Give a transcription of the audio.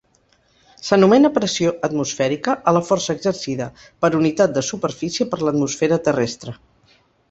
S’anomena pressió atmosfèrica a la força exercida per unitat de superfície per l’atmosfera terrestre.